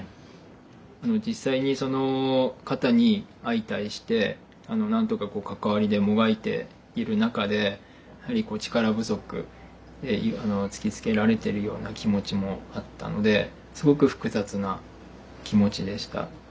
実際にその方に相対してなんとか関わりでもがいている中でやはり力不足って突きつけられているような気持ちもあったのですごく複雑な気持ちでした。